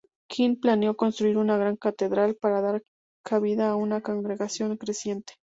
Quinn planeó construir una gran catedral para dar cabida a una congregación creciente.